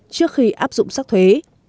trước khi áp dụng sắc thuế